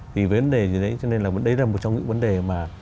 thì với vấn đề như đấy cho nên là đấy là một trong những vấn đề mà